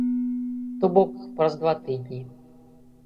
То бок, праз два тыдні.